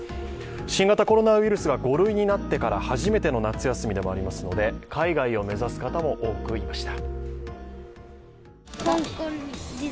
新型コロナウイルスが５類になってから初めての夏休みでもありますので、海外を目指す方も多くいました。